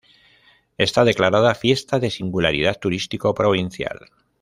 Está declarada Fiesta de Singularidad Turístico Provincial.